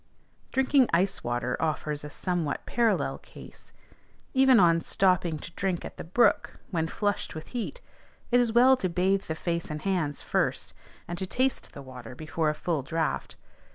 Drinking ice water offers a somewhat parallel case; even on stopping to drink at the brook, when flushed with heat, it is well to bathe the face and hands first, and to taste the water before a full draught.